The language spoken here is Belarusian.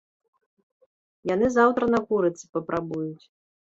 Яны заўтра на курыцы папрабуюць.